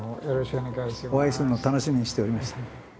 お会いするの楽しみにしておりました。